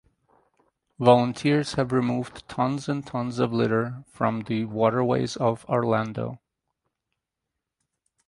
Volunteers have removed tons and tons of litter from the waterways of Orlando.